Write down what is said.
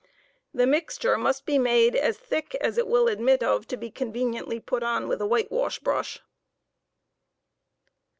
The mixture must be made as thick as it will admit of to be conveniently put on with a whitewash brush.